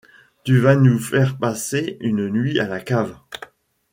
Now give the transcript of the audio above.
Tu vas nous faire passer une nuit à la cave.